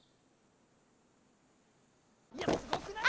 いやすごくないすか！